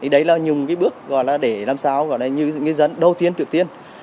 đấy là những cái bước để làm sao như ngư dân đầu tiên trực tiên